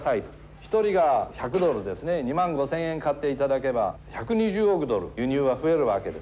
１人が１００ドルですね２万５，０００円買っていただければ１２０億ドル輸入は増えるわけです。